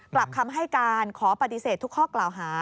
กลับคำให้การขอปฏิเสธทุกข้อกล่าวหา